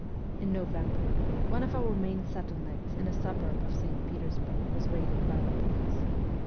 In November one of our main settlements in a suburb of St. Petersburg was raided by the police.